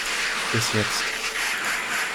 Bis jetzt.